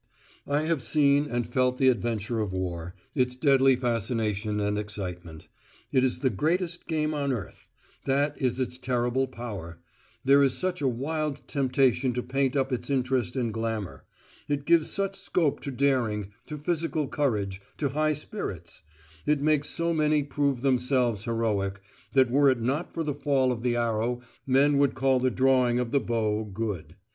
I have seen and felt the adventure of war, its deadly fascination and excitement: it is the greatest game on earth: that is its terrible power: there is such a wild temptation to paint up its interest and glamour: it gives such scope to daring, to physical courage, to high spirits: it makes so many prove themselves heroic, that were it not for the fall of the arrow men would call the drawing of the bow good.